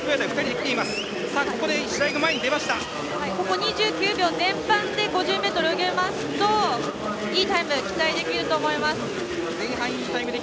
ここ２９秒前半で５０ｍを泳ぎますといいタイム、期待できると思います。